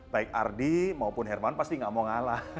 baik ardi maupun hermawan pasti gak mau ngalah